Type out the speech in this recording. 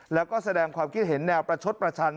แล้วก็แสดงความคิดเห็นแนวประชดประชัน